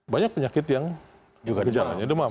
banyak penyakit yang juga gejalanya demam